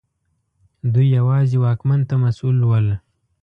دوی یوازې واکمن ته مسوول ول.